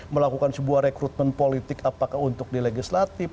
melakukan sebuah rekrutmen politik apakah untuk dilegislatif